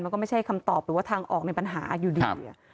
มันก็ไม่ใช่คำตอบหรือว่าทางออกในปัญหาอยู่ดี